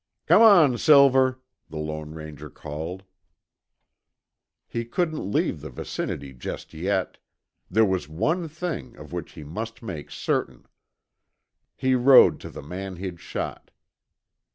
"Come on, Silver!" the Lone Ranger called. He couldn't leave the vicinity just yet. There was one thing of which he must make certain. He rode to the man he'd shot.